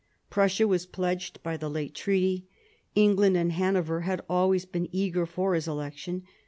Prussia was pledged by the late treaty, England and Hanover had always been eager for his election.